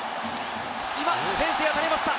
今、フェンスに当たりました。